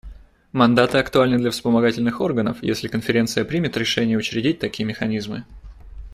Мандаты актуальны для вспомогательных органов, если Конференция примет решение учредить такие механизмы.